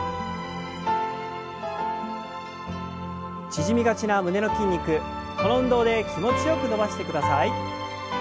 縮みがちな胸の筋肉この運動で気持ちよく伸ばしてください。